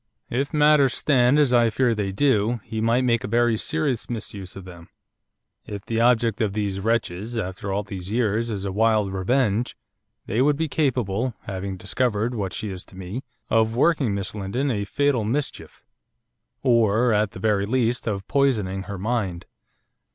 'If matters stand as I fear they do, he might make a very serious misuse of them. If the object of these wretches, after all these years, is a wild revenge, they would be capable, having discovered what she is to me, of working Miss Lindon a fatal mischief, or, at the very least, of poisoning her mind.